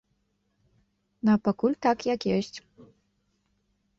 А пакуль так, як ёсць.